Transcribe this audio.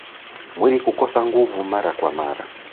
mwili kukosa nguvu mara kwa mara